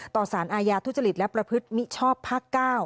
สารอาญาทุจริตและประพฤติมิชชอบภาค๙